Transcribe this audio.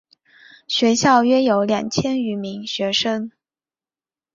学校约有两千余名学生。